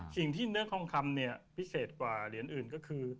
สิ่งที่เล่นทองคำเนี่ยพิเศษกว่าเหรียญอื่นก็คือ